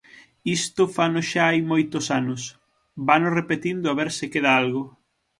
Isto fano xa hai moitos anos; vano repetindo a ver se queda algo.